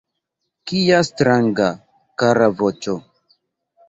Kia stranga, kara voĉo!